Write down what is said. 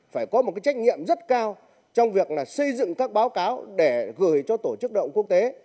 phải có một trách nhiệm rất cao trong việc xây dựng các báo cáo để gửi cho tổ chức động quốc tế